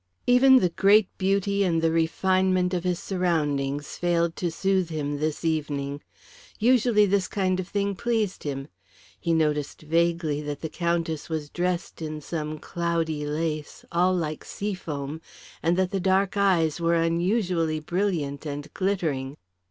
Even the great beauty and the refinement of his surroundings failed to soothe him this evening. Usually this kind of thing pleased him. He noticed vaguely that the Countess was dressed in some cloudy lace, all like sea foam, and that the dark eyes were unusually brilliant and glittering.